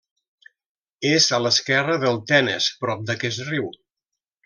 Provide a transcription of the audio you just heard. És a l'esquerra del Tenes, prop d'aquest riu.